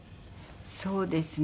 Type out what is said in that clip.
そうですね。